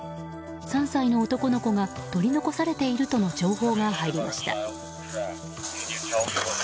３歳の男の子が取り残されているとの情報が入りました。